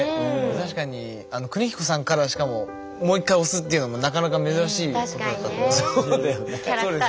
確かに邦彦さんからしかももう一回押すっていうのもなかなか珍しいことだったと思いますし。